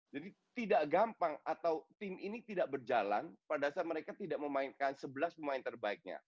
tidak gampang atau tim ini tidak berjalan pada saat mereka tidak memainkan sebelas pemain terbaiknya